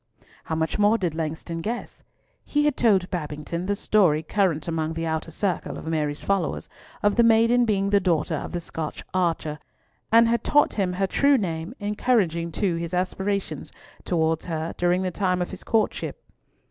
How much more did Langston guess? He had told Babington the story current among the outer circle of Mary's followers of the maiden being the daughter of the Scotch archer, and had taught him her true name, encouraging too, his aspirations towards her during the time of his courtship.